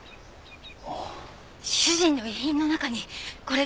主人の遺品の中にこれが。